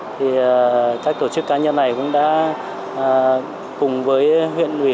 thì các tổ chức cá nhân này cũng đã cùng với huyện ủy